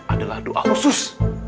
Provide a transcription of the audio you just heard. adalah doa khusus